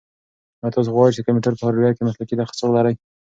ایا تاسو غواړئ چې د کمپیوټر په هارډویر کې مسلکي تخصص ولرئ؟